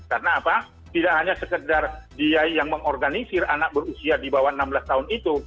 karena apa tidak hanya sekedar dia yang mengorganisir anak berusia di bawah enam belas tahun itu